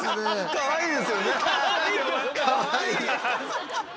かわいい。